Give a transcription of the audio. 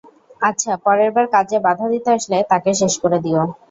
আচ্ছা, পরের বার কাজে বাধা দিতে আসলে, তাকে শেষ করে দিও।